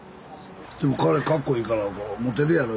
でも彼かっこいいからモテるやろと。